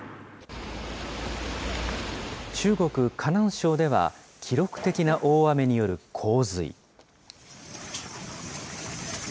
中国・河南省では記録的な大雨による洪水。